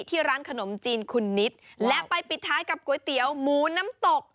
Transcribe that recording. ที่ร้านขนมจีนคุณนิดและไปปิดท้ายกับก๋วยเตี๋ยวหมูน้ำตก